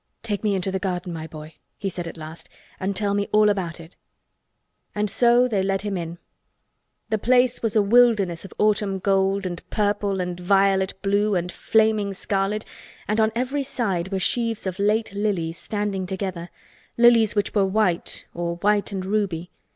"Take me into the garden, my boy," he said at last. "And tell me all about it." And so they led him in. The place was a wilderness of autumn gold and purple and violet blue and flaming scarlet and on every side were sheaves of late lilies standing together—lilies which were white or white and ruby.